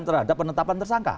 terhadap penetapan tersangka